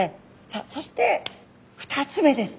さあそして２つ目です。